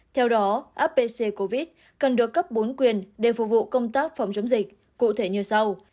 theo đó apc covid cần được cấp bốn quyền để phục vụ công tác phòng chống dịch cụ thể như sau